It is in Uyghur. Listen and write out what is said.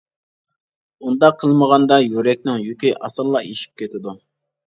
ئۇنداق قىلمىغاندا، يۈرەكنىڭ يۈكى ئاسانلا ئېشىپ كېتىدۇ.